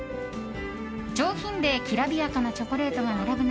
上品できらびやかなチョコレートが並ぶ中